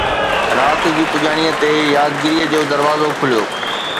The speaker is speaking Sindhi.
رات جي پڄاڻيءَ تي يادگيريءَ جو دروازو کليو